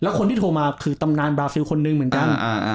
คนที่โทรมาคือตำนานบราซิลคนหนึ่งเหมือนกัน